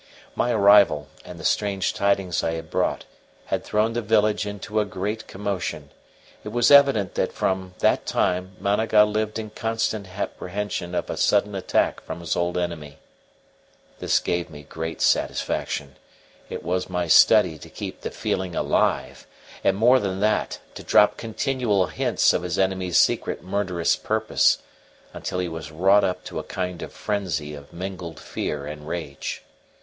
My arrival, and the strange tidings I had brought, had thrown the village into a great commotion; it was evident that from that time Managa lived in constant apprehension of a sudden attack from his old enemy. This gave me great satisfaction; it was my study to keep the feeling alive, and, more than that, to drop continual hints of his enemy's secret murderous purpose, until he was wrought up to a kind of frenzy of mingled fear and rage.